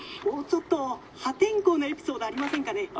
「もうちょっと破天荒なエピソードありませんかね？」。